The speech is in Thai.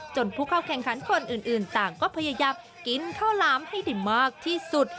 ผู้เข้าแข่งขันคนอื่นต่างก็พยายามกินข้าวหลามให้ได้มากที่สุด